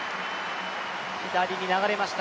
左に流れました。